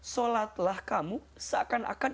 sholatlah kamu seakan akan